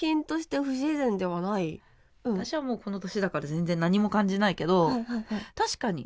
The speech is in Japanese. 私はもうこの年だから全然何も感じないけど確かに。